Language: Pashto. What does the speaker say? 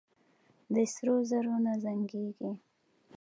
د سرو زرو نه زنګېږي.